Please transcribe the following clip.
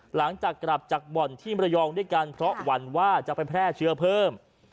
หลังจากกลับจากบ่อนที่มรยองด้วยกันเพราะหวั่นว่าจะไปแพร่เชื้อเพิ่ม